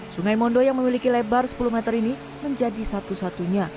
sungai mondo yang memiliki lebar sepuluh meter ini menjadi satu satunya